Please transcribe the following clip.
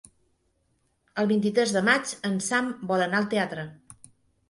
El vint-i-tres de maig en Sam vol anar al teatre.